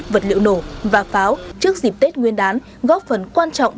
vật liệu nổ và pháo trước dịp tết nguyên đán góp phần quan trọng